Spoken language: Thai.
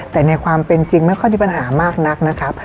แต่ในความเป็นจริงไม่ค่อยมีปัญหามากนักนะครับ